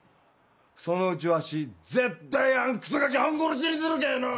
そのうちわし絶対あんクソガキ半殺しにするけぇの！